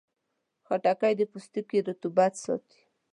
خټکی د پوستکي رطوبت ساتي.